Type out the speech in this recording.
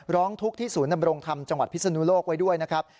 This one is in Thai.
ร้องทุกข์ที่ศูนย์นำรงธรรมจังหวัดพิศนุโลกไว้ด้วยนะครับ